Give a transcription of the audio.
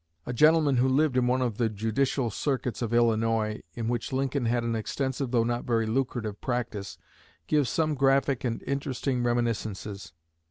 A gentleman who lived in one of the judicial circuits of Illinois in which Lincoln had an extensive though not very lucrative practice gives some graphic and interesting reminiscences.